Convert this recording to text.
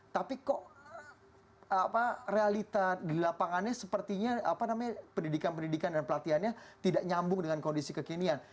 tapi kok realita di lapangannya sepertinya pendidikan pendidikan dan pelatihannya tidak nyambung dengan kondisi kekinian